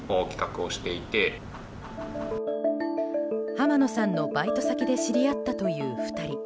浜野さんのバイト先で知り合ったという２人。